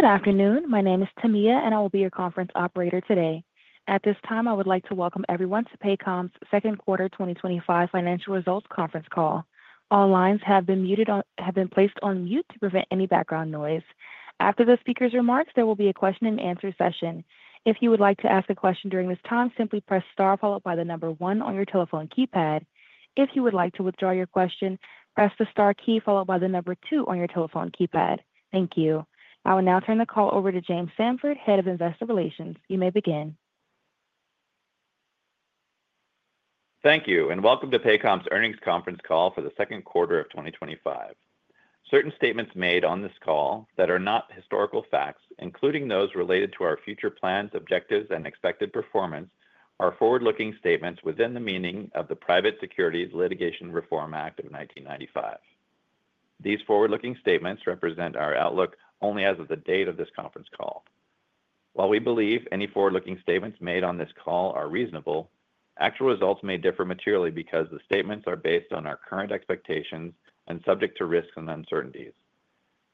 Good afternoon. My name is Tamia, and I will be your conference operator today. At this time, I would like to welcome everyone to Paycom's second quarter 2025 financial results conference call. All lines have been placed on mute to prevent any background noise. After the speakers' remarks, there will be a question and answer session. If you would like to ask a question during this time, simply press star followed by the number one on your telephone keypad. If you would like to withdraw your question, press the star key followed by the number two on your telephone keypad. Thank you. I will now turn the call over to James Samford, Head of Investor Relations. You may begin. Thank you, and welcome to Paycom's earnings conference call for the second quarter of 2025. Certain statements made on this call that are not historical facts, including those related to our future plans, objectives, and expected performance, are forward-looking statements within the meaning of the Private Securities Litigation Reform Act of 1995. These forward-looking statements represent our outlook only as of the date of this conference call. While we believe any forward-looking statements made on this call are reasonable, actual results may differ materially because the statements are based on our current expectations and subject to risks and uncertainties.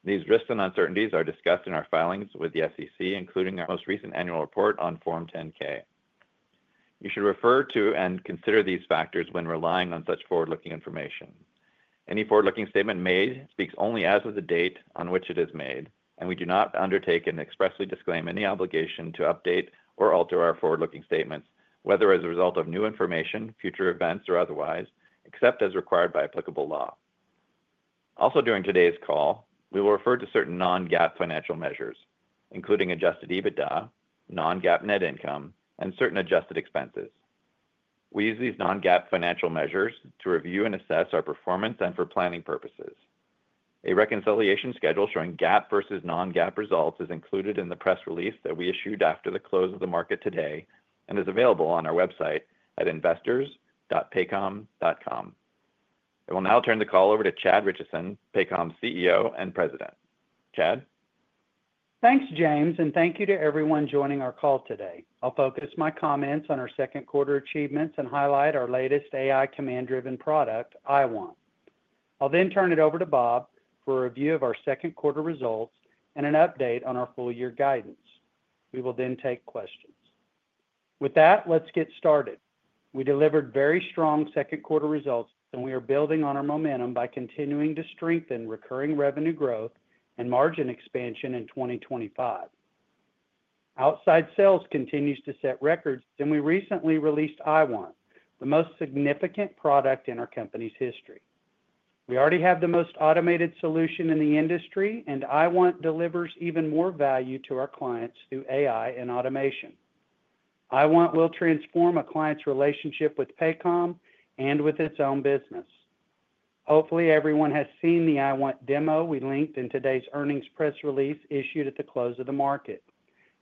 These risks and uncertainties are discussed in our filings with the SEC, including our most recent annual report on Form 10-K. You should refer to and consider these factors when relying on such forward-looking information. Any forward-looking statement made speaks only as of the date on which it is made, and we do not undertake and expressly disclaim any obligation to update or alter our forward-looking statements, whether as a result of new information, future events, or otherwise, except as required by applicable law. Also, during today's call, we will refer to certain non-GAAP financial measures, including adjusted EBITDA, non-GAAP net income, and certain adjusted expenses. We use these non-GAAP financial measures to review and assess our performance and for planning purposes. A reconciliation schedule showing GAAP versus non-GAAP results is included in the press release that we issued after the close of the market today and is available on our website at investors.paycom.com. I will now turn the call over to Chad Richison, Paycom's CEO and President. Chad? Thanks, James, and thank you to everyone joining our call today. I'll focus my comments on our second quarter achievements and highlight our latest AI command-driven product, IWant. I'll then turn it over to Bob for a review of our second quarter results and an update on our full-year guidance. We will then take questions. With that, let's get started. We delivered very strong second quarter results, and we are building on our momentum by continuing to strengthen recurring revenue growth and margin expansion in 2025. Outside sales continue to set records, and we recently released IWant, the most significant product in our company's history. We already have the most automated solution in the industry, and IWant delivers even more value to our clients through AI and automation. IWant will transform a client's relationship with Paycom Software and with its own business. Hopefully, everyone has seen the IWant demo we linked in today's earnings press release issued at the close of the market.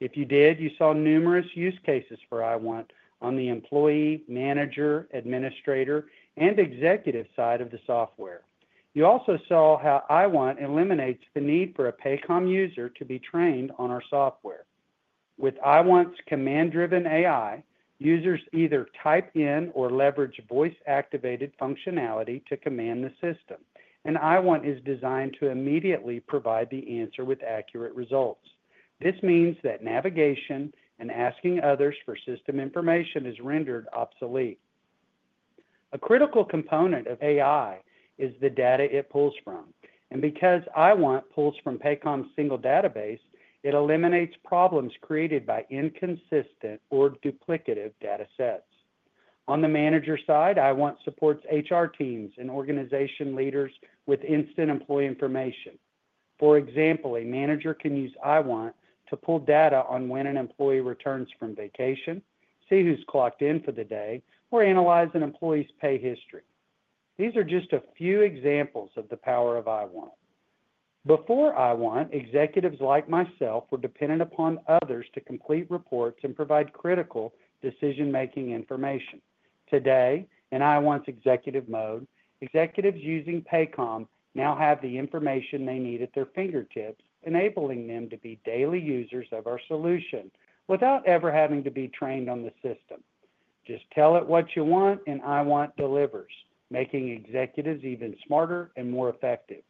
If you did, you saw numerous use cases for IWant on the employee, manager, administrator, and executive side of the software. You also saw how IWant eliminates the need for a Paycom user to be trained on our software. With IWant's command-driven AI, users either type in or leverage voice-activated functionality to command the system, and IWant is designed to immediately provide the answer with accurate results. This means that navigation and asking others for system information is rendered obsolete. A critical component of AI is the data it pulls from, and because IWant pulls from Paycom's single-database architecture, it eliminates problems created by inconsistent or duplicative datasets. On the manager side, IWant supports HR teams and organization leaders with instant employee information. For example, a manager can use IWant to pull data on when an employee returns from vacation, see who's clocked in for the day, or analyze an employee's pay history. These are just a few examples of the power of IWant. Before IWant, executives like myself were dependent upon others to complete reports and provide critical decision-making information. Today, in IWant's executive mode, executives using Paycom now have the information they need at their fingertips, enabling them to be daily users of our solution without ever having to be trained on the system. Just tell it what you want, and IWant delivers, making executives even smarter and more effective.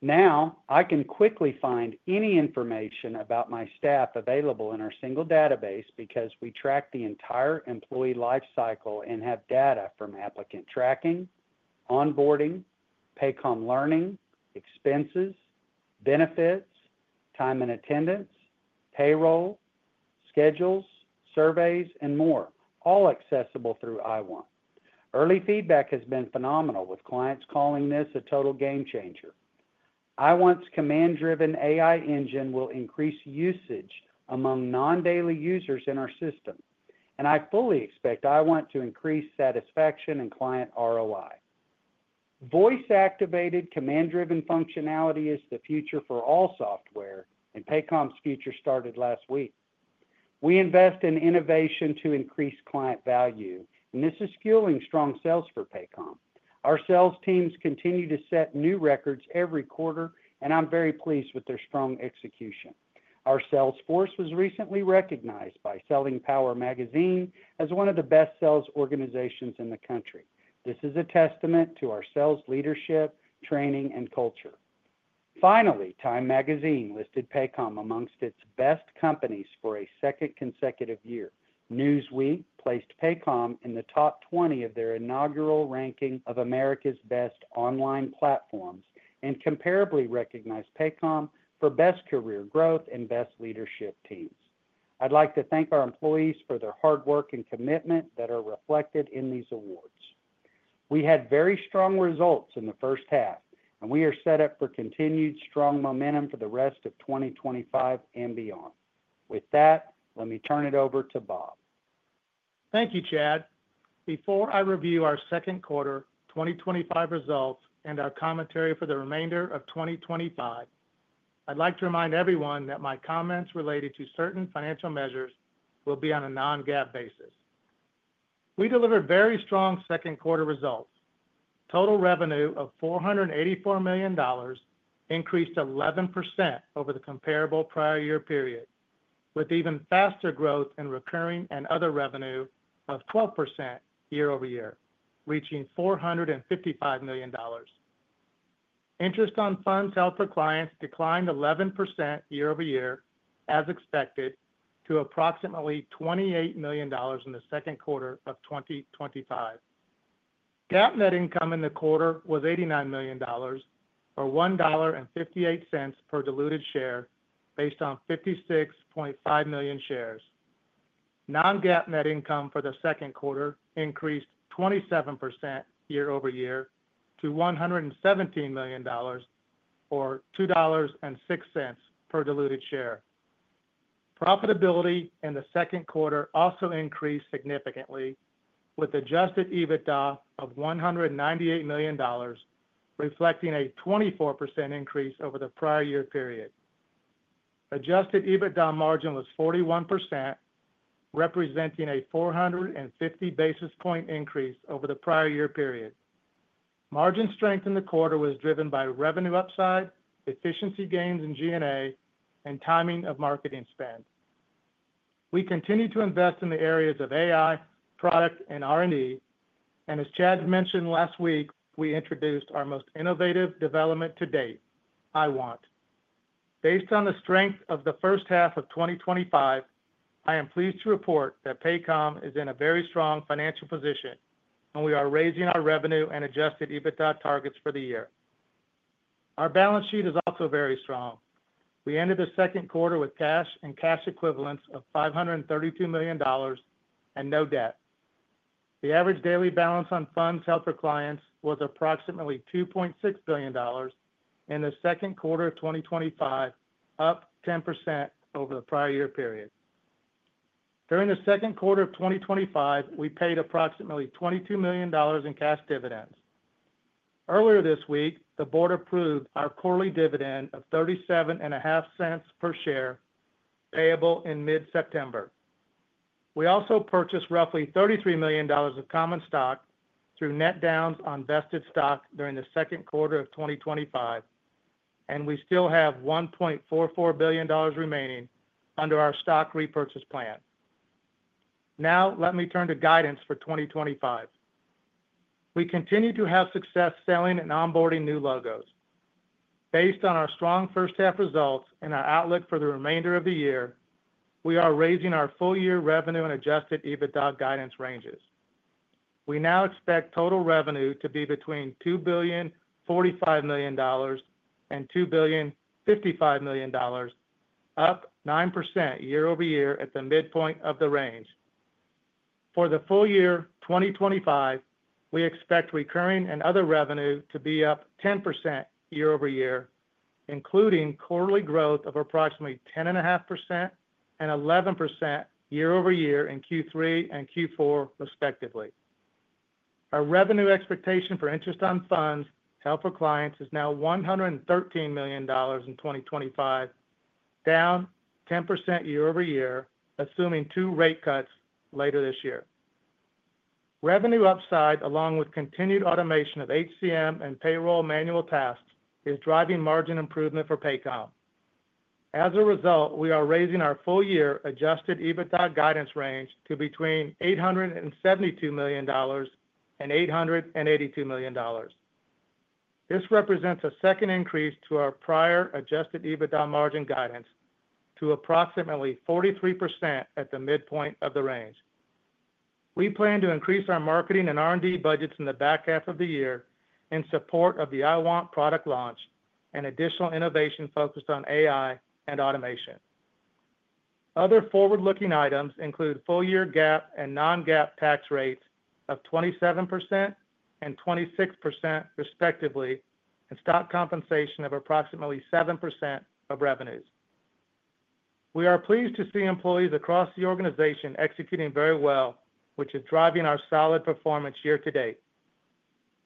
Now, I can quickly find any information about my staff available in our single-database architecture because we track the entire employee lifecycle and have data from applicant tracking, onboarding, Paycom Learning, expenses, benefits, time and attendance, payroll, schedules, surveys, and more, all accessible through IWant. Early feedback has been phenomenal, with clients calling this a total game changer. IWant's command-driven AI engine will increase usage among non-daily users in our system, and I fully expect IWant to increase satisfaction and client ROI. Voice-activated command-driven functionality is the future for all software, and Paycom's future started last week. We invest in innovation to increase client value, and this is fueling strong sales for Paycom. Our sales teams continue to set new records every quarter, and I'm very pleased with their strong execution. Our sales force was recently recognized by Selling Power magazine as one of the best sales organizations in the country. This is a testament to our sales leadership, training, and culture. Finally, TIME magazine listed Paycom amongst its best companies for a second consecutive year. Newsweek placed Paycom in the top 20 of their inaugural ranking of America's best online platforms and Comparably recognized Paycom for best career growth and best leadership teams. I'd like to thank our employees for their hard work and commitment that are reflected in these awards. We had very strong results in the first half, and we are set up for continued strong momentum for the rest of 2025 and beyond. With that, let me turn it over to Bob. Thank you, Chad. Before I review our second quarter 2025 results and our commentary for the remainder of 2025, I'd like to remind everyone that my comments related to certain financial measures will be on a non-GAAP basis. We delivered very strong second quarter results. Total revenue of $484 million increased 11% over the comparable prior year period, with even faster growth in recurring and other revenue of 12% year-over-year, reaching $455 million. Interest on funds held for clients declined 11% year-over-year, as expected, to approximately $28 million in the second quarter of 2025. GAAP net income in the quarter was $89 million, or $1.58 per diluted share, based on 56.5 million shares. Non-GAAP net income for the second quarter increased 27% year-over-year to $117 million, or $2.06 per diluted share. Profitability in the second quarter also increased significantly, with adjusted EBITDA of $198 million, reflecting a 24% increase over the prior year period. Adjusted EBITDA margin was 41%, representing a 450 basis point increase over the prior year period. Margin strength in the quarter was driven by revenue upside, efficiency gains in G&A, and timing of marketing spend. We continue to invest in the areas of AI, product, and R&D, and as Chad mentioned last week, we introduced our most innovative development to date, IWant. Based on the strength of the first half of 2025, I am pleased to report that Paycom is in a very strong financial position, and we are raising our revenue and adjusted EBITDA targets for the year. Our balance sheet is also very strong. We ended the second quarter with cash and cash equivalents of $532 million and no debt. The average daily balance on funds held for clients was approximately $2.6 billion in the second quarter of 2025, up 10% over the prior year period. During the second quarter of 2025, we paid approximately $22 million in cash dividends. Earlier this week, the board approved our quarterly dividend of $37.50 per share, payable in mid-September. We also purchased roughly $33 million of common stock through net downs on vested stock during the second quarter of 2025, and we still have $1.44 billion remaining under our stock repurchase plan. Now, let me turn to guidance for 2025. We continue to have success selling and onboarding new logos. Based on our strong first half results and our outlook for the remainder of the year, we are raising our full-year revenue and adjusted EBITDA guidance ranges. We now expect total revenue to be between $2.045 billion and $2.055 billion up 9% year-over-year at the midpoint of the range. For the full year 2025, we expect recurring and other revenue to be up 10% year-over-year, including quarterly growth of approximately 10.5% and 11% year-over-year in Q3 and Q4, respectively. Our revenue expectation for interest on funds held for clients is now $113 million in 2025, down 10% year-over-year, assuming two rate cuts later this year. Revenue upside, along with continued automation of HCM and payroll manual tasks, is driving margin improvement for Paycom. As a result, we are raising our full-year adjusted EBITDA guidance range to between $872 million and $882 million. This represents a second increase to our prior adjusted EBITDA margin guidance to approximately 43% at the midpoint of the range. We plan to increase our marketing and R&D budgets in the back half of the year in support of the IWant product launch and additional innovation focused on AI and automation. Other forward-looking items include full-year GAAP and non-GAAP tax rates of 27% and 26%, respectively, and stock compensation of approximately 7% of revenues. We are pleased to see employees across the organization executing very well, which is driving our solid performance year to date.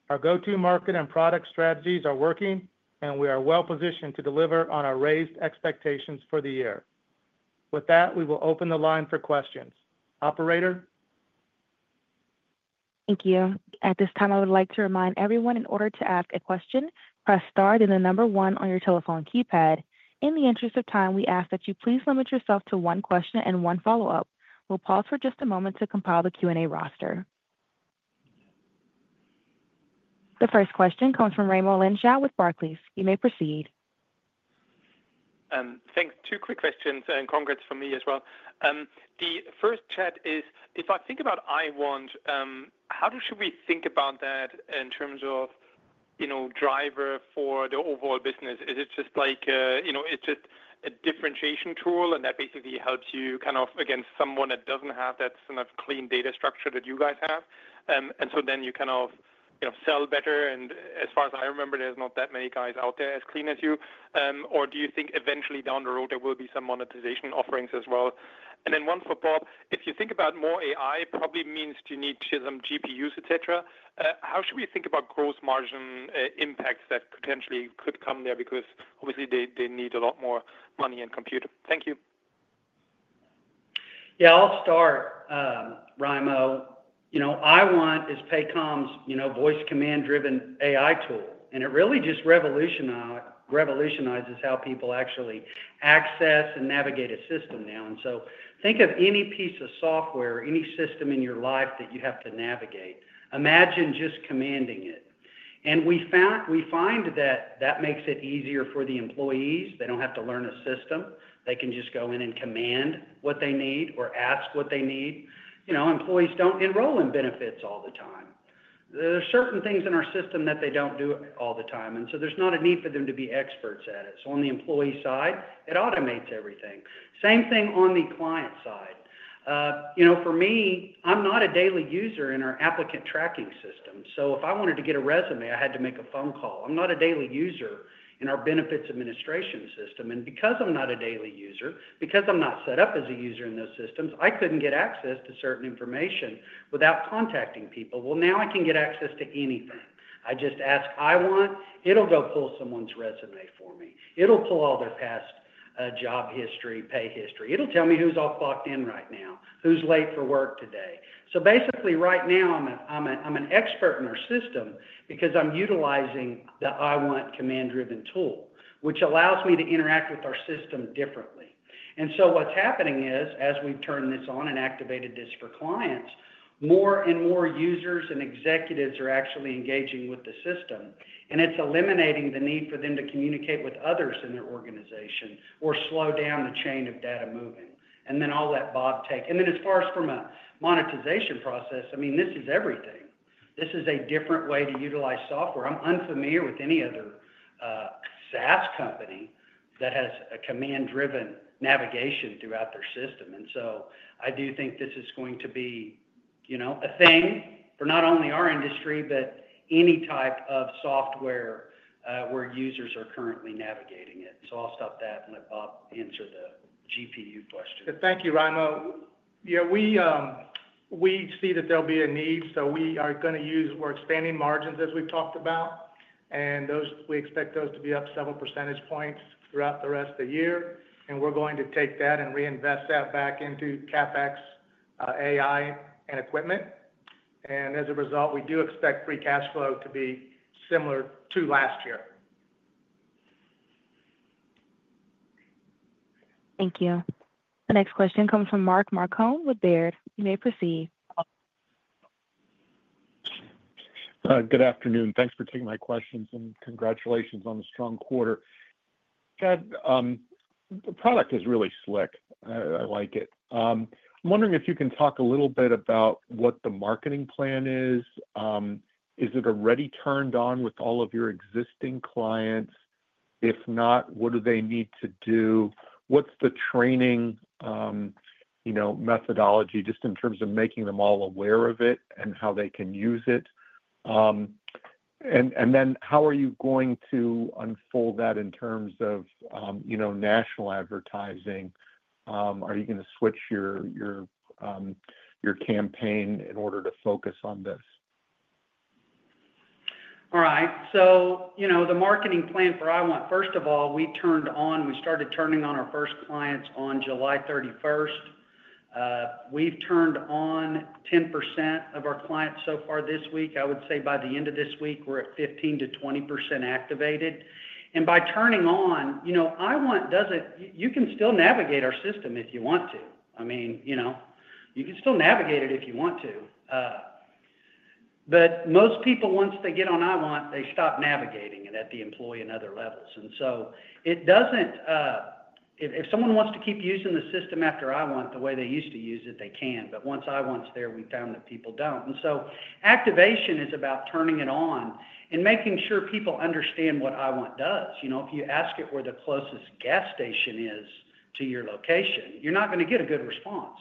Our go-to-market and product strategies are working, and we are well positioned to deliver on our raised expectations for the year. With that, we will open the line for questions. Operator? Thank you. At this time, I would like to remind everyone, in order to ask a question, press star then the number one on your telephone keypad. In the interest of time, we ask that you please limit yourself to one question and one follow-up. We'll pause for just a moment to compile the Q&A roster. The first question comes from Raimo Lenschow with Barclays. You may proceed. Thanks. Two quick questions, and congrats from me as well. The first, Chad, is if I think about IWant, how do we think about that in terms of, you know, driver for the overall business? Is it just like, you know, it's just a differentiation tool, and that basically helps you kind of against someone that doesn't have that sort of clean data structure that you guys have? You kind of, you know, sell better, and as far as I remember, there's not that many guys out there as clean as you. Do you think eventually down the road there will be some monetization offerings as well? One for Bob. If you think about more AI, it probably means you need some GPUs, et cetera. How should we think about gross margin impacts that potentially could come there? Obviously they need a lot more money and computer. Thank you. Yeah, I'll start, Raimo. IWant is Paycom's voice command-driven AI tool, and it really just revolutionizes how people actually access and navigate a system now. Think of any piece of software or any system in your life that you have to navigate. Imagine just commanding it. We find that that makes it easier for the employees. They don't have to learn a system. They can just go in and command what they need or ask what they need. Employees don't enroll in benefits all the time. There are certain things in our system that they don't do all the time, and there's not a need for them to be experts at it. On the employee side, it automates everything. Same thing on the client side. For me, I'm not a daily user in our applicant tracking system. If I wanted to get a resumé, I had to make a phone call. I'm not a daily user in our benefits administration system. Because I'm not a daily user, because I'm not set up as a user in those systems, I couldn't get access to certain information without contacting people. Now I can get access to anything. I just ask IWant. It'll go pull someone's resumé for me. It'll pull all their past job history, pay history. It'll tell me who's off locked in right now, who's late for work today. Basically, right now, I'm an expert in our system because I'm utilizing the IWant command-driven tool, which allows me to interact with our system differently. What's happening is, as we turn this on and activated this for clients, more and more users and executives are actually engaging with the system, and it's eliminating the need for them to communicate with others in their organization or slow down the chain of data moving. All that Bob takes. As far as from a monetization process, this is everything. This is a different way to utilize software. I'm unfamiliar with any other SaaS company that has a command-driven navigation throughout their system. I do think this is going to be a thing for not only our industry, but any type of software where users are currently navigating it. I'll stop that and let Bob answer the GPU question. Thank you, Raimo. Yeah, we see that there'll be a need, so we are going to use, we're expanding margins as we've talked about, and we expect those to be up several percentage points throughout the rest of the year. We're going to take that and reinvest that back into CapEx, AI, and equipment. As a result, we do expect free cash flow to be similar to last year. Thank you. The next question comes from Mark Marcon with Baird. You may proceed. Good afternoon. Thanks for taking my questions, and congratulations on a strong quarter. Chad, the product is really slick. I like it. I'm wondering if you can talk a little bit about what the marketing plan is. Is it already turned on with all of your existing clients? If not, what do they need to do? What's the training methodology just in terms of making them all aware of it and how they can use it? How are you going to unfold that in terms of national advertising? Are you going to switch your campaign in order to focus on this? All right. The marketing plan for IWant, first of all, we started turning on our first clients on July 31st. We've turned on 10% of our clients so far this week. I would say by the end of this week, we're at 15%-20% activated. By turning on, IWant doesn't, you can still navigate our system if you want to. I mean, you can still navigate it if you want to. Most people, once they get on IWant, they stop navigating it at the employee and other levels. It doesn't, if someone wants to keep using the system after IWant the way they used to use it, they can. Once IWant's there, we found that people don't. Activation is about turning it on and making sure people understand what IWant does. If you ask it where the closest gas station is to your location, you're not going to get a good response.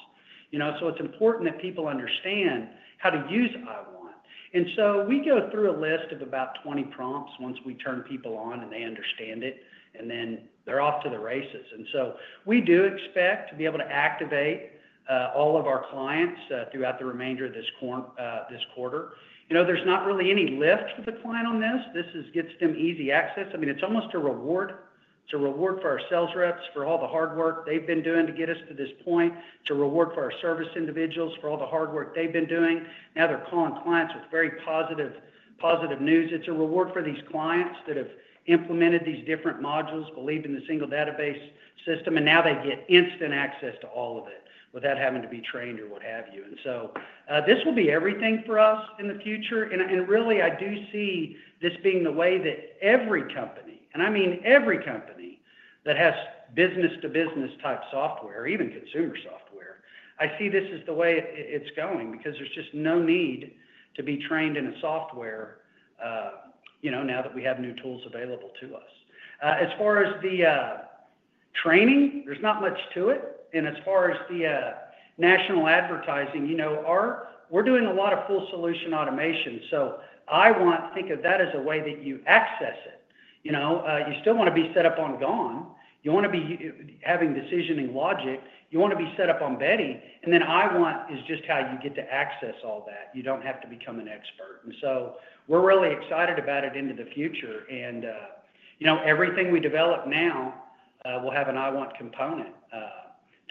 It's important that people understand how to use IWant. We go through a list of about 20 prompts once we turn people on and they understand it, and then they're off to the races. We do expect to be able to activate all of our clients throughout the remainder of this quarter. There's not really any lift for the client on this. This gets them easy access. It's almost a reward. It's a reward for our sales reps for all the hard work they've been doing to get us to this point. It's a reward for our service individuals for all the hard work they've been doing. Now they're calling clients with very positive news. It's a reward for these clients that have implemented these different modules, believe in the single-database architecture, and now they get instant access to all of it without having to be trained or what have you. This will be everything for us in the future. I do see this being the way that every company, and I mean every company that has business-to-business type software or even consumer software, I see this as the way it's going because there's just no need to be trained in a software now that we have new tools available to us. As far as the training, there's not much to it. As far as the national advertising, we're doing a lot of full solution automation. I want to think of that as a way that you access it. You still want to be set up on GONE. You want to be having decisioning logic. You want to be set up on Beti. IWant is just how you get to access all that. You don't have to become an expert. We're really excited about it into the future, and you know everything we develop now will have an IWant component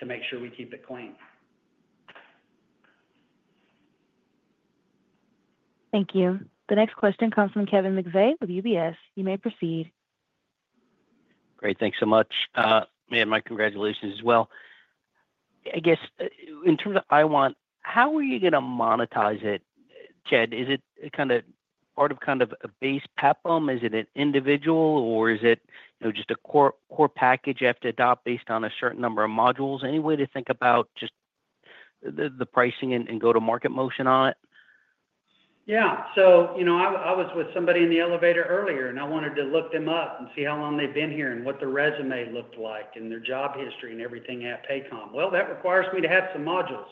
to make sure we keep it clean. Thank you. The next question comes from Kevin McVeigh with UBS Investment Bank. You may proceed. Great, thanks so much. My congratulations as well. I guess in terms of IWant, how are you going to monetize it, Chad? Is it kind of part of a base Paycom? Is it an individual, or is it just a core package you have to adopt based on a certain number of modules? Any way to think about just the pricing and go-to-market motion on it? Yeah. I was with somebody in the elevator earlier, and I wanted to look them up and see how long they've been here and what their resumé looked like and their job history and everything at Paycom. That requires me to have some modules.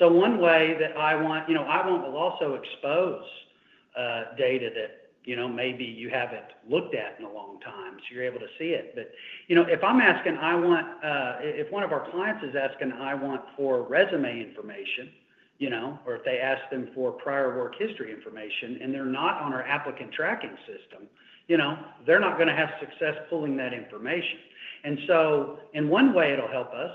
One way that IWant will also expose data that maybe you haven't looked at in a long time, so you're able to see it. If I'm asking IWant, if one of our clients is asking IWant for resumé information, or if they ask them for prior work history information and they're not on our applicant tracking system, they're not going to have success pulling that information. In one way, it'll help us.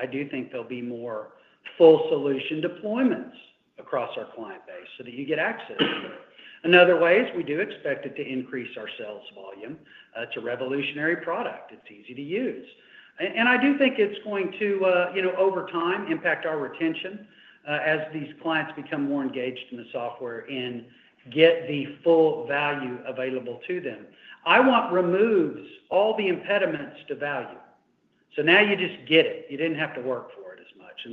I do think there'll be more full solution deployments across our client base so that you get access to it. Another way is we do expect it to increase our sales volume. It's a revolutionary product. It's easy to use. I do think it's going to, over time, impact our retention as these clients become more engaged in the software and get the full value available to them. IWant removes all the impediments to value, so now you just get it. You didn't have to work for it as much.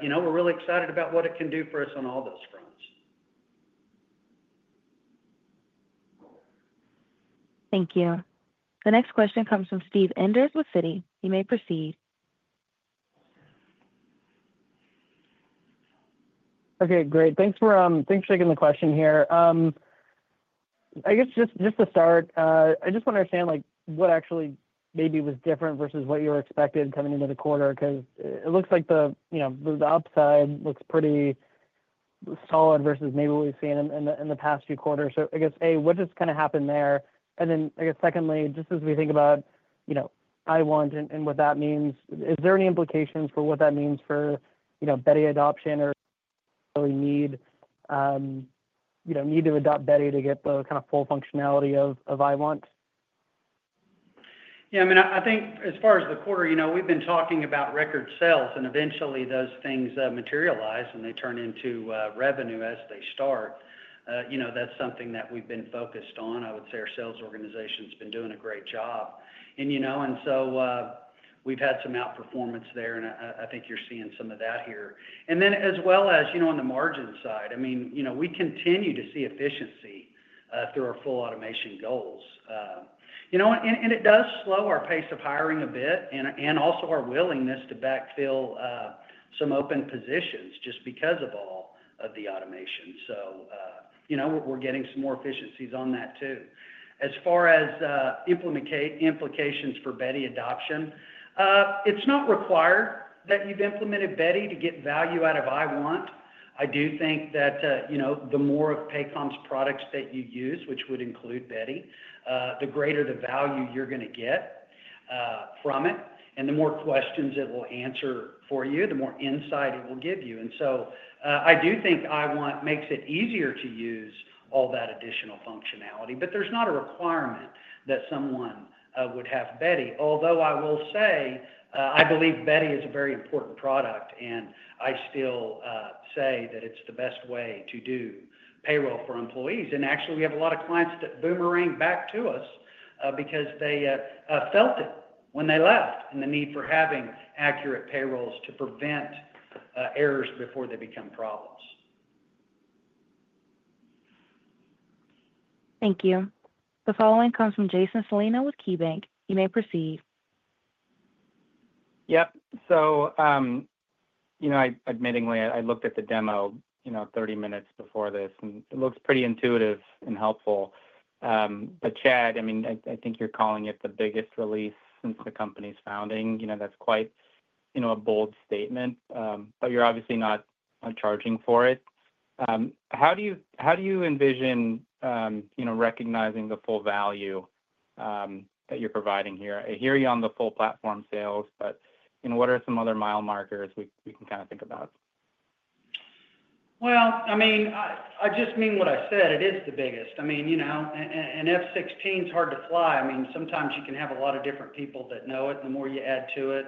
We're really excited about what it can do for us on all those fronts. Thank you. The next question comes from Steve Enders with Citi. You may proceed. Okay. Great. Thanks for taking the question here. I guess just to start, I just want to understand what actually maybe was different versus what you were expecting coming into the quarter because it looks like the upside looks pretty solid versus maybe what we've seen in the past few quarters. I guess, A, what just kind of happened there? Secondly, just as we think about, you know, IWant and what that means, is there any implications for what that means for, you know, Beti adoption or really need to adopt Beti to get the kind of full functionality of IWant? Yeah. I mean, I think as far as the quarter, we've been talking about record sales, and eventually those things materialize, and they turn into revenue as they start. That's something that we've been focused on. I would say our sales organization's been doing a great job. We've had some outperformance there, and I think you're seeing some of that here. As well as, on the margin side, we continue to see efficiency through our full automation goals. It does slow our pace of hiring a bit and also our willingness to backfill some open positions just because of all of the automation. We're getting some more efficiencies on that too. As far as implications for Beti adoption, it's not required that you've implemented Beti to get value out of IWant. I do think that the more of Paycom's products that you use, which would include Beti, the greater the value you're going to get from it, and the more questions it will answer for you, the more insight it will give you. I do think IWant makes it easier to use all that additional functionality, but there's not a requirement that someone would have Beti. Although I will say, I believe Beti is a very important product, and I still say that it's the best way to do payroll for employees. Actually, we have a lot of clients that boomerang back to us because they felt it when they left and the need for having accurate payrolls to prevent errors before they become problems. Thank you. The following comes from Jason Celino with KeyBanc. You may proceed. Yep. Admittingly, I looked at the demo 30 minutes before this, and it looks pretty intuitive and helpful. Chad, I think you're calling it the biggest release since the company's founding. That's quite a bold statement, but you're obviously not charging for it. How do you envision recognizing the full value that you're providing here? I hear you on the full platform sales, but what are some other mile markers we can kind of think about? I just mean what I said. It is the biggest. An F-16 is hard to fly. Sometimes you can have a lot of different people that know it, and the more you add to it,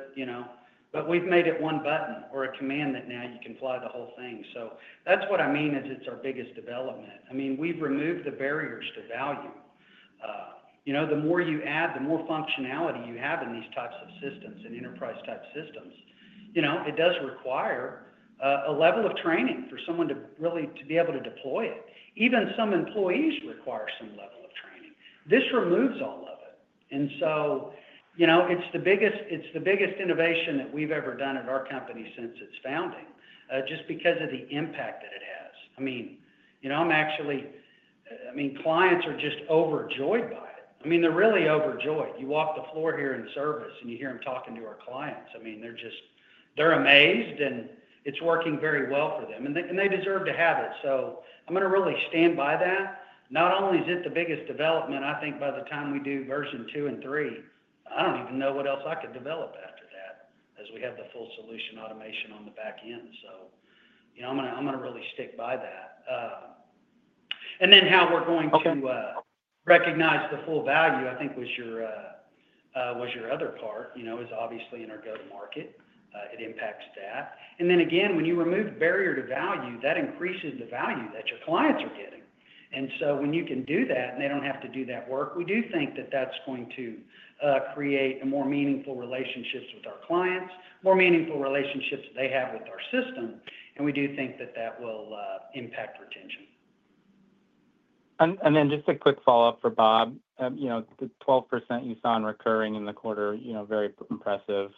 but we've made it one button or a command that now you can fly the whole thing. That's what I mean; it's our biggest development. We've removed the barriers to value. The more you add, the more functionality you have in these types of systems, in enterprise-type systems, it does require a level of training for someone to really be able to deploy it. Even some employees require some level of training. This removes all of it. It's the biggest innovation that we've ever done at our company since its founding just because of the impact that it has. Clients are just overjoyed by it. They're really overjoyed. You walk the floor here in service and you hear them talking to our clients. They're amazed and it's working very well for them. They deserve to have it. I'm going to really stand by that. Not only is it the biggest development, I think by the time we do version two and three, I don't even know what else I could develop after that as we have the full solution automation on the back end. I'm going to really stick by that. How we're going to recognize the full value, I think was your other part, is obviously in our go-to-market. It impacts that. When you remove barrier to value, that increases the value that your clients are getting. When you can do that and they don't have to do that work, we do think that that's going to create more meaningful relationships with our clients, more meaningful relationships that they have with our system. We do think that will impact retention. Just a quick follow-up for Bob. You know, the 12% you saw in recurring in the quarter, you know, very impressive. I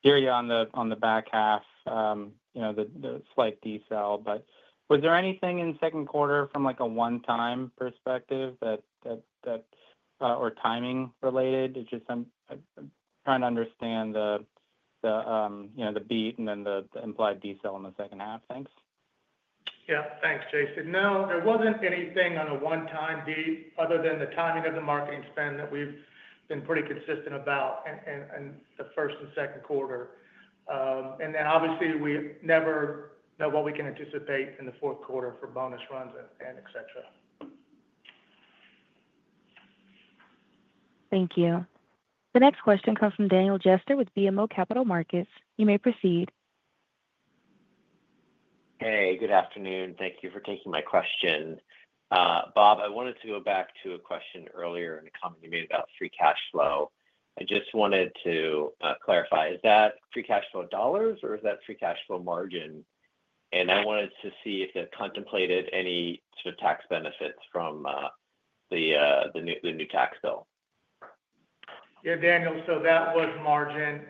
hear you on the back half, you know, the slight decel. Was there anything in the second quarter from like a one-time perspective or timing related? I'm just trying to understand the, you know, the beat and then the implied decel in the second half. Thanks. Yeah. Thanks, Jason. No, there wasn't anything on a one-time beat other than the timing of the marketing spend that we've been pretty consistent about in the first and second quarter. Obviously, we never know what we can anticipate in the fourth quarter for bonus runs and et cetera. Thank you. The next question comes from Daniel Jester with BMO Capital Markets. You may proceed. Hey, good afternoon. Thank you for taking my question. Bob, I wanted to go back to a question earlier in the company about free cash flow. I just wanted to clarify, is that free cash flow in dollars, or is that free cash flow margin? I wanted to see if you had contemplated any sort of tax benefits from the new tax bill. Yeah, Daniel. That was margin,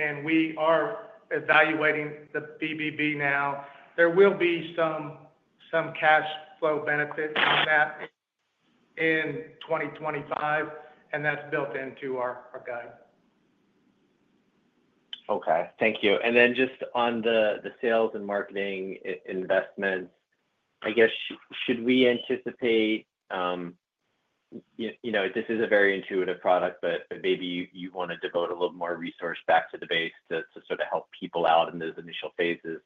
and we are evaluating the BBB now. There will be some cash flow benefits in that in 2025, and that's built into our guide. Thank you. On the sales and marketing investment, should we anticipate, you know, this is a very intuitive product, but maybe you want to devote a little more resource back to the base to sort of help people out in those initial phases.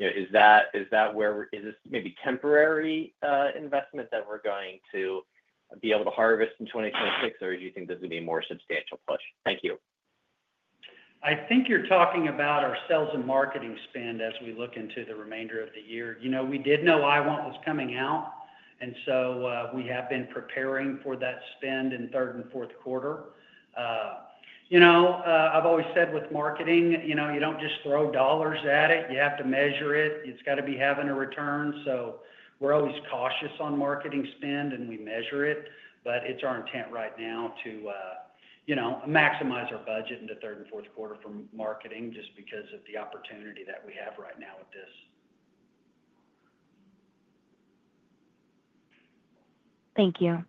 Is that where this is maybe temporary investment that we're going to be able to harvest in 2026, or do you think this would be more substantial? Thank you. I think you're talking about our sales and marketing spend as we look into the remainder of the year. We did know IWant was coming out, and we have been preparing for that spend in the third and fourth quarter. I've always said with marketing, you don't just throw dollars at it. You have to measure it. It's got to be having a return. We're always cautious on marketing spend, and we measure it. It's our intent right now to maximize our budget in the third and fourth quarter for marketing just because of the opportunity that we have right now with this. Thank you.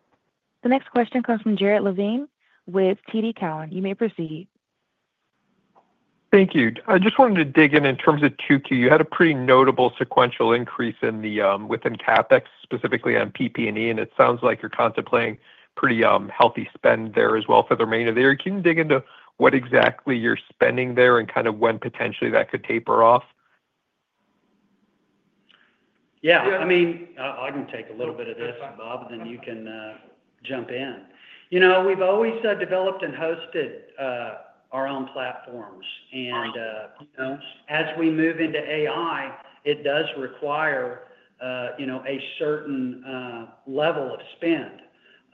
The next question comes from Jared Levine with TD Cowen. You may proceed. Thank you. I just wanted to dig in in terms of Q2. You had a pretty notable sequential increase within CapEx, specifically on PP&E, and it sounds like you're contemplating pretty healthy spend there as well for the remainder of the year. Can you dig into what exactly you're spending there and kind of when potentially that could taper off? Yeah. I mean, I can take a little bit of this, Bob, and then you can jump in. We've always developed and hosted our own platforms. As we move into AI, it does require a certain level of spend.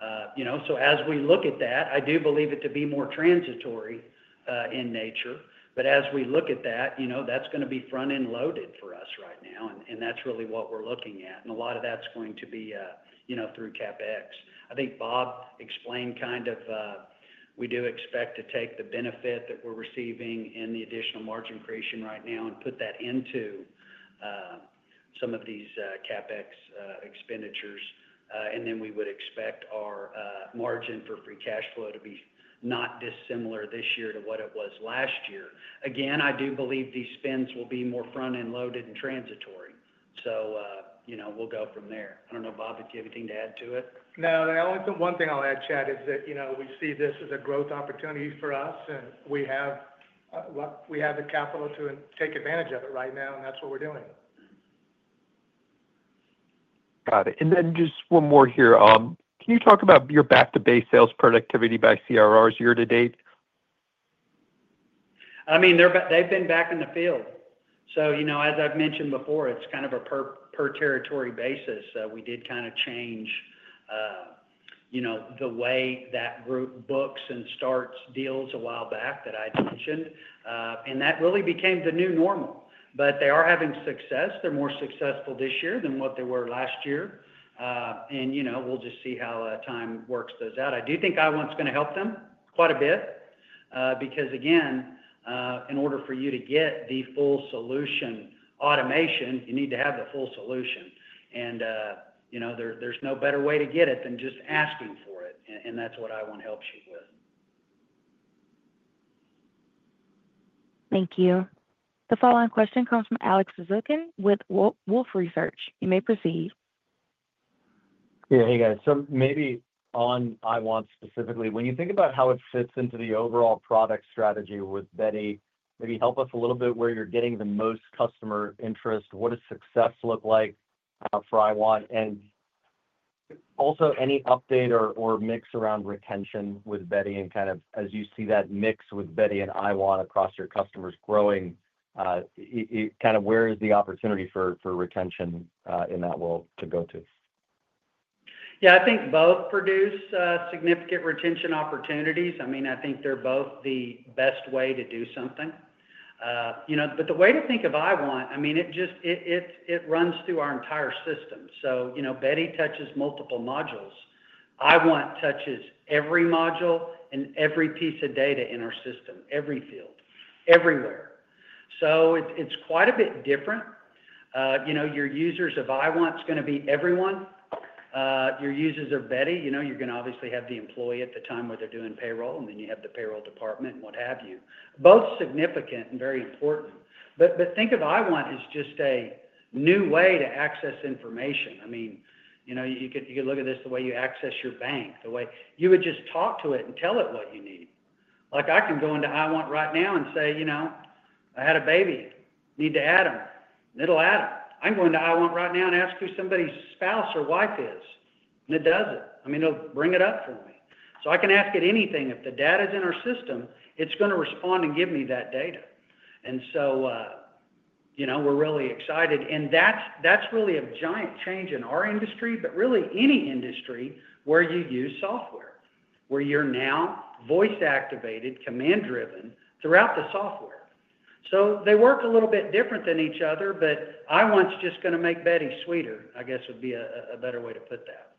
As we look at that, I do believe it to be more transitory in nature. As we look at that, that's going to be front-end loaded for us right now, and that's really what we're looking at. A lot of that's going to be through CapEx. I think Bob explained we do expect to take the benefit that we're receiving in the additional margin creation right now and put that into some of these CapEx expenditures. We would expect our margin for free cash flow to be not dissimilar this year to what it was last year. I do believe these spends will be more front-end loaded and transitory. We'll go from there. I don't know, Bob, if you have anything to add to it. No. The only thing I'll add, Chad, is that we see this as a growth opportunity for us, and we have the capital to take advantage of it right now, and that's what we're doing. Got it. Just one more here. Can you talk about your back-to-base sales productivity by CRRs year to date? I mean, they've been back in the field. As I've mentioned before, it's kind of a per-territory basis. We did change the way that group books and starts deals a while back that I mentioned, and that really became the new normal. They are having success. They're more successful this year than what they were last year. We'll just see how time works those out. I do think IWant is going to help them quite a bit because, again, in order for you to get the full solution automation, you need to have the full solution. There's no better way to get it than just asking for it. That's what IWant helps you with. Thank you. The following question comes from Alex Zukin with Wolfe Research. You may proceed. Yeah. Hey, guys. Maybe on IWant specifically, when you think about how it fits into the overall product strategy with Beti, maybe help us a little bit where you're getting the most customer interest. What does success look like for IWant? Also, any update or mix around retention with Beti and kind of as you see that mix with Beti and IWant across your customers growing, where is the opportunity for retention in that world to go to? Yeah. I think both produce significant retention opportunities. I mean, I think they're both the best way to do something. You know, the way to think of IWant, it just runs through our entire system. You know, Beti touches multiple modules. IWant touches every module and every piece of data in our system, every field, everywhere. It's quite a bit different. Your users of IWant are going to be everyone. Your users of Beti, you're going to obviously have the employee at the time where they're doing payroll, and then you have the payroll department and what have you. Both significant and very important. Think of IWant as just a new way to access information. You could look at this the way you access your bank, the way you would just talk to it and tell it what you need. Like I can go into IWant right now and say, you know, I had a baby. I need to add him. It'll add him. I can go into IWant right now and ask who somebody's spouse or wife is. It does it. It'll bring it up for me. I can ask it anything. If the data is in our system, it's going to respond and give me that data. We're really excited. That's really a giant change in our industry, but really any industry where you use software, where you're now voice-activated, command-driven throughout the software. They work a little bit different than each other, but IWant is just going to make Beti sweeter, I guess would be a better way to put that.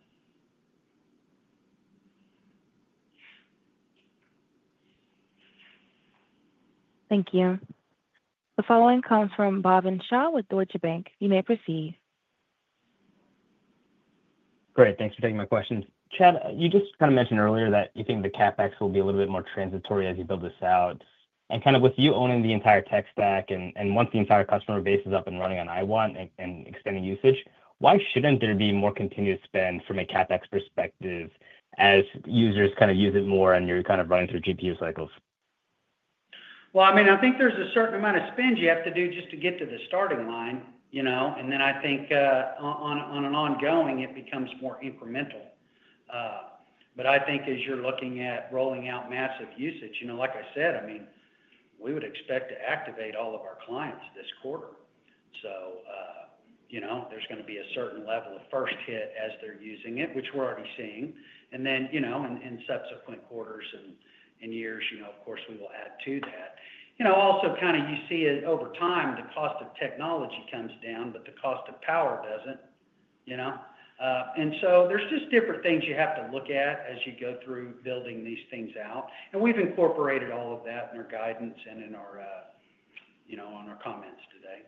Thank you. The following comes from Bhavin Shah with Deutsche Bank. You may proceed. Great. Thanks for taking my questions. Chad, you just kind of mentioned earlier that you think the CapEx will be a little bit more transitory as you build this out. With you owning the entire tech stack and once the entire customer base is up and running on IWant and extending usage, why shouldn't there be more continuous spend from a CapEx perspective as users use it more and you're running through GPU cycles? I think there's a certain amount of spend you have to do just to get to the starting line, you know, and then I think on an ongoing, it becomes more incremental. As you're looking at rolling out massive usage, like I said, we would expect to activate all of our clients this quarter. There's going to be a certain level of first hit as they're using it, which we're already seeing. In subsequent quarters and years, of course, we will add to that. You also kind of see over time, the cost of technology comes down, but the cost of power doesn't, you know. There are just different things you have to look at as you go through building these things out. We've incorporated all of that in our guidance and in our comments today.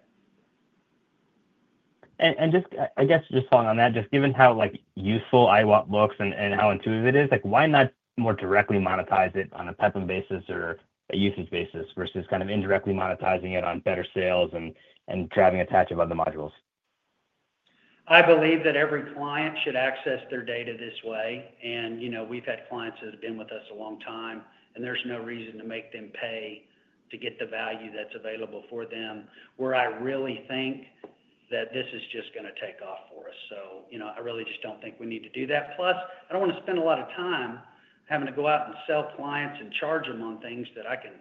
Just following on that, given how useful IWant looks and how intuitive it is, why not more directly monetize it on a per-pay basis or a usage basis versus kind of indirectly monetizing it on better sales and driving adoption of other modules? I believe that every client should access their data this way. We've had clients that have been with us a long time, and there's no reason to make them pay to get the value that's available for them. I really think that this is just going to take off for us. I really just don't think we need to do that. Plus, I don't want to spend a lot of time having to go out and sell clients and charge them on things that I can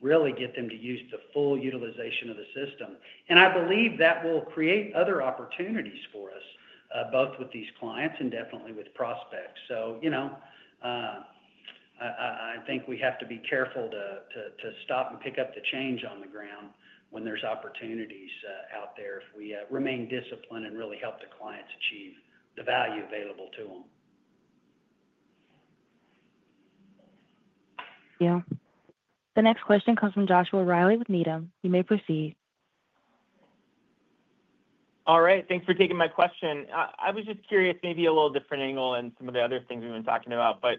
really get them to use the full utilization of the system. I believe that will create other opportunities for us, both with these clients and definitely with prospects. I think we have to be careful to stop and pick up the change on the ground when there's opportunities out there if we remain disciplined and really help the clients achieve the value available to them. Thank you. The next question comes from Joshua Reilly with Needham. You may proceed. All right. Thanks for taking my question. I was just curious, maybe a little different angle than some of the other things we've been talking about, but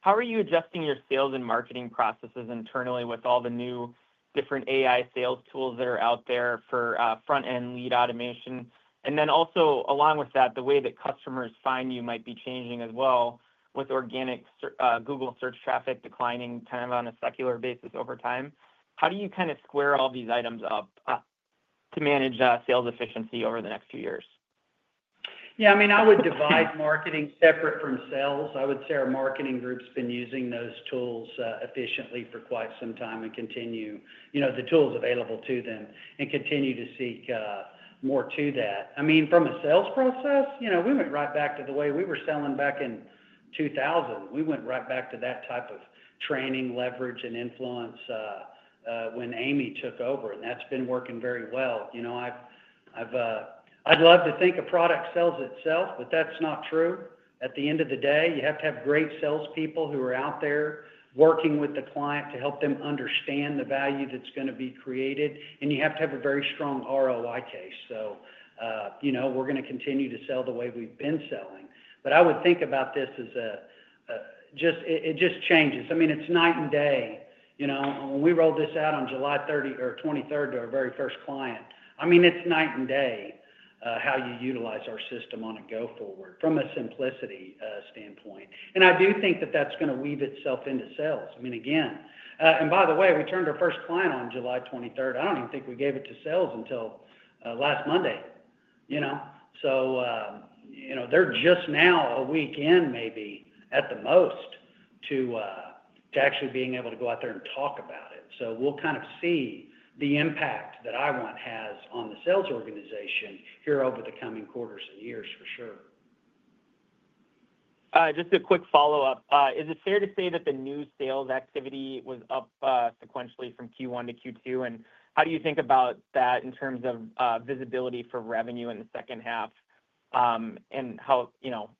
how are you adjusting your sales and marketing processes internally with all the new different AI sales tools that are out there for front-end lead automation? Also, along with that, the way that customers find you might be changing as well with organic Google search traffic declining kind of on a secular basis over time. How do you kind of square all these items up to manage sales efficiency over the next few years? Yeah. I mean, I would divide marketing separate from sales. I would say our marketing group's been using those tools efficiently for quite some time and continue, you know, the tools available to them and continue to seek more to that. I mean, from a sales process, we went right back to the way we were selling back in 2000. We went right back to that type of training, leverage, and influence when Amy took over, and that's been working very well. I'd love to think a product sells itself, but that's not true. At the end of the day, you have to have great salespeople who are out there working with the client to help them understand the value that's going to be created, and you have to have a very strong ROI case. We're going to continue to sell the way we've been selling. I would think about this as a just it just changes. I mean, it's night and day. When we rolled this out on July 30 or 23rd to our very first client, it's night and day how you utilize our system on a go-forward from a simplicity standpoint. I do think that that's going to weave itself into sales. Again, and by the way, we turned our first client on July 23rd. I don't even think we gave it to sales until last Monday. They're just now a week in maybe at the most to actually being able to go out there and talk about it. We'll kind of see the impact that IWant has on the sales organization here over the coming quarters and years for sure. Just a quick follow-up. Is it fair to say that the new sales activity was up sequentially from Q1 to Q2? How do you think about that in terms of visibility for revenue in the second half and how, you know,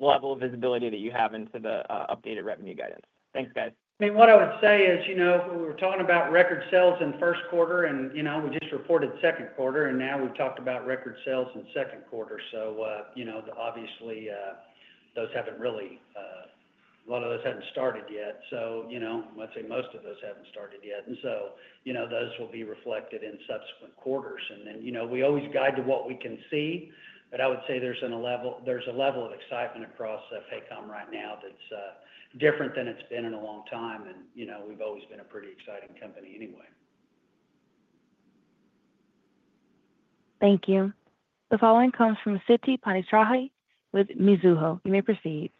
level of visibility that you have into the updated revenue guidance? Thanks, guys. What I would say is, if we were talking about record sales in the first quarter and we just reported second quarter, and now we've talked about record sales in the second quarter, obviously, a lot of those haven't started yet. I'd say most of those haven't started yet. Those will be reflected in subsequent quarters. We always guide to what we can see, but I would say there's a level of excitement across Paycom right now that's different than it's been in a long time. We've always been a pretty exciting company anyway. Thank you. The following comes from Siti Panigrahi with Mizuho. You may proceed.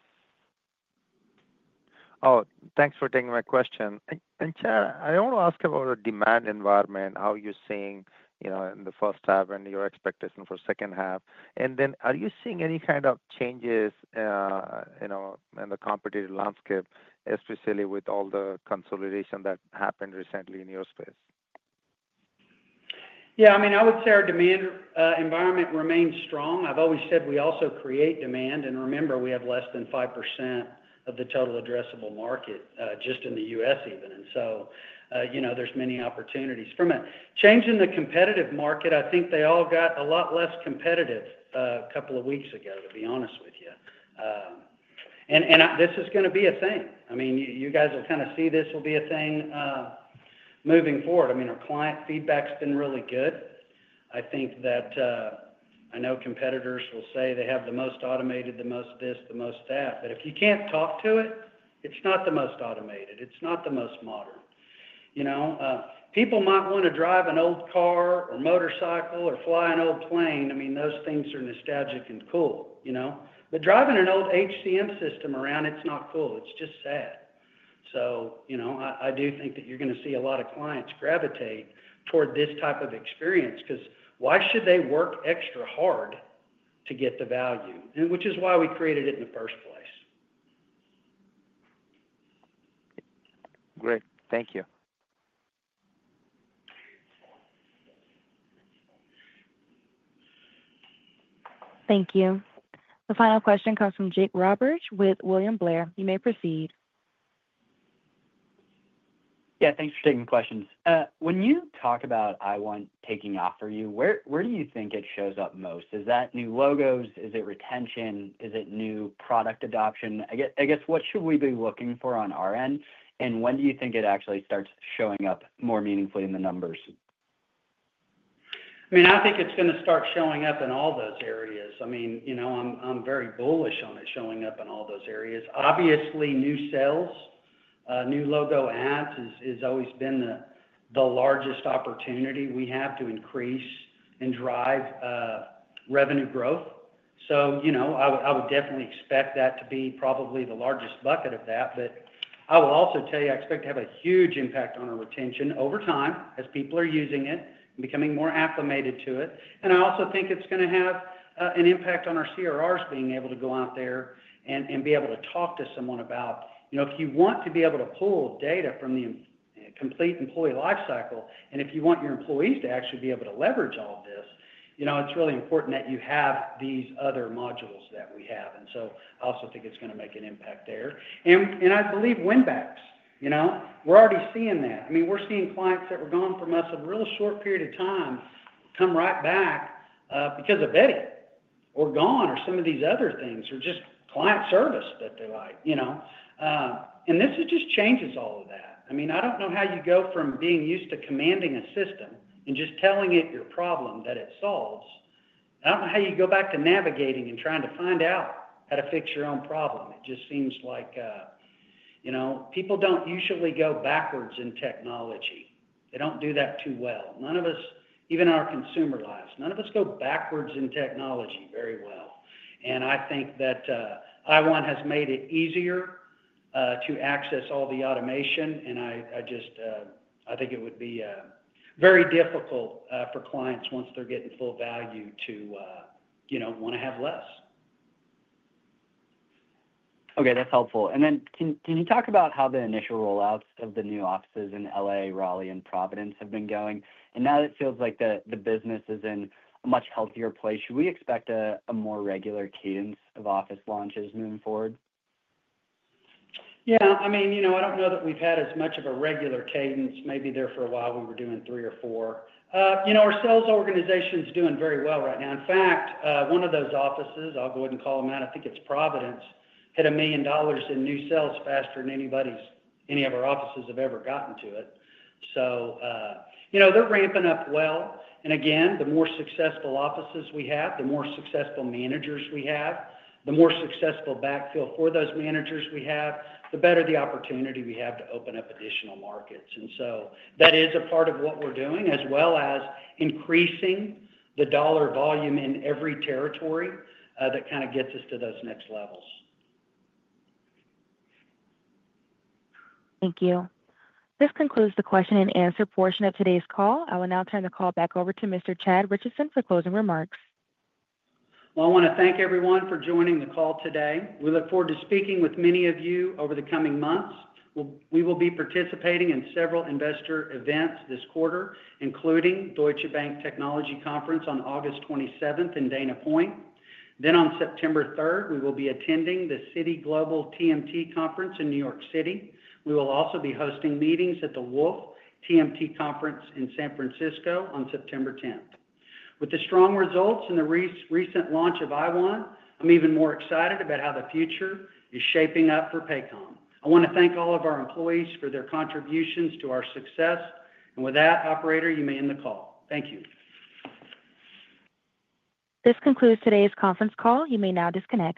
Thank you for taking my question. Chad, I want to ask about the demand environment, how you're seeing in the first half and your expectation for the second half. Are you seeing any kind of changes in the competitive landscape, especially with all the consolidation that happened recently in your space? Yeah. I mean, I would say our demand environment remains strong. I've always said we also create demand. Remember, we have less than 5% of the total addressable market just in the U.S. even, and there are many opportunities. From a change in the competitive market, I think they all got a lot less competitive a couple of weeks ago, to be honest with you. This is going to be a thing. You guys will kind of see this will be a thing moving forward. Our client feedback's been really good. I think that I know competitors will say they have the most automated, the most this, the most that. If you can't talk to it, it's not the most automated. It's not the most modern. People might want to drive an old car or motorcycle or fly an old plane. Those things are nostalgic and cool, you know. Driving an old HCM system around, it's not cool. It's just sad. I do think that you're going to see a lot of clients gravitate toward this type of experience because why should they work extra hard to get the value, which is why we created it in the first place? Great. Thank you. Thank you. The final question comes from Jake Roberge with William Blair. You may proceed. Yeah, thanks for taking the questions. When you talk about IWant taking off for you, where do you think it shows up most? Is that new logos? Is it retention? Is it new product adoption? I guess, what should we be looking for on our end? When do you think it actually starts showing up more meaningfully in the numbers? I think it's going to start showing up in all those areas. I'm very bullish on it showing up in all those areas. Obviously, new sales, new logo ads has always been the largest opportunity we have to increase and drive revenue growth. I would definitely expect that to be probably the largest bucket of that. I will also tell you, I expect to have a huge impact on our retention over time as people are using it and becoming more acclimated to it. I also think it's going to have an impact on our CRRs being able to go out there and be able to talk to someone about, if you want to be able to pull data from the complete employee lifecycle and if you want your employees to actually be able to leverage all of this, it's really important that you have these other modules that we have. I also think it's going to make an impact there. I believe win-backs, we're already seeing that. We're seeing clients that were gone from us a real short period of time come right back because of Beti or IWant or some of these other things or just client service that they like. This just changes all of that. I don't know how you go from being used to commanding a system and just telling it your problem that it solves. I don't know how you go back to navigating and trying to find out how to fix your own problem. It just seems like people don't usually go backwards in technology. They don't do that too well. None of us, even our consumer lives, none of us go backwards in technology very well. I think that IWant has made it easier to access all the automation. I just think it would be very difficult for clients once they're getting full value to want to have less. Okay. That's helpful. Can you talk about how the initial rollouts of the new offices in L.A., Raleigh, and Providence have been going? Now that it feels like the business is in a much healthier place, should we expect a more regular cadence of office launches moving forward? I mean, you know, I don't know that we've had as much of a regular cadence. Maybe there for a while we were doing three or four. You know, our sales organization is doing very well right now. In fact, one of those offices, I'll go ahead and call them out, I think it's Providence, hit $1 million in new sales faster than any of our offices have ever gotten to it. They're ramping up well. The more successful offices we have, the more successful managers we have, the more successful backfill for those managers we have, the better the opportunity we have to open up additional markets. That is a part of what we're doing, as well as increasing the dollar volume in every territory that kind of gets us to those next levels. Thank you. This concludes the question and answer portion of today's call. I will now turn the call back over to Mr. Chad Richison for closing remarks. Thank you everyone for joining the call today. We look forward to speaking with many of you over the coming months. We will be participating in several investor events this quarter, including the Deutsche Bank Technology Conference on August 27th in Dana Point. On September 3rd, we will be attending the Citi Global TMT Conference in New York City. We will also be hosting meetings at the Wolfe TMT Conference in San Francisco on September 10th. With the strong results and the recent launch of IWant, I'm even more excited about how the future is shaping up for Paycom. I want to thank all of our employees for their contributions to our success. With that, operator, you may end the call. Thank you. This concludes today's conference call. You may now disconnect.